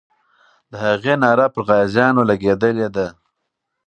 د هغې ناره پر غازیانو لګېدلې ده.